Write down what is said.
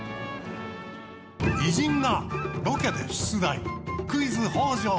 偉人がロケで出題。